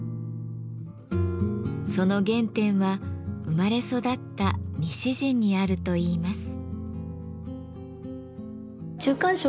その原点は生まれ育った西陣にあるといいます。